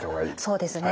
そうですね。